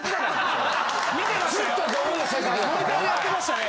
見てましたよ。